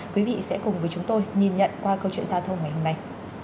quý vị sẽ cùng với chúng tôi nhìn nhận qua câu chuyện giao thông ngày hôm nay